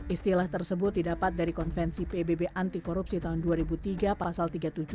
istilah tersebut didapat dari konvensi pbb antikorupsi tahun dua ribu tiga pasal tiga puluh tujuh